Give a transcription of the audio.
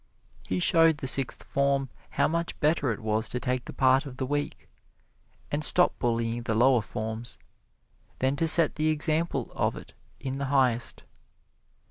He showed the Sixth Form how much better it was to take the part of the weak, and stop bullying the lower forms, than to set the example of it in the highest.